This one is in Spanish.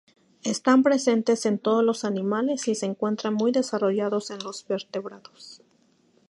Están presentes en todos los animales y se encuentran muy desarrollados en los vertebrados.